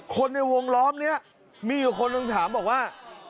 คนในวงล้อมนี้มีคนต้องถามบอกว่า